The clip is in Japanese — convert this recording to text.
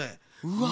うわ。